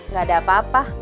gak ada apa apa